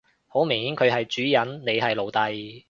好明顯佢係主人你係奴隸